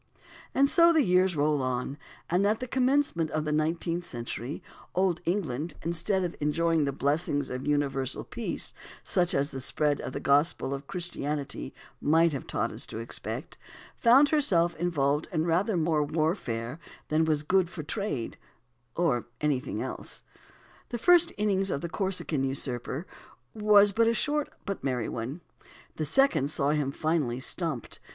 And so the years rolled on; and at the commencement of the nineteenth century, old England, instead of enjoying the blessings of universal peace, such as the spread of the Gospel of Christianity might have taught us to expect, found herself involved in rather more warfare than was good for trade, or anything else. The first "innings" of the Corsican usurper was a short but merry one; the second saw him finally "stumped."